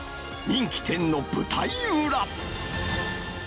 人気店の舞台裏。